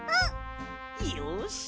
よし！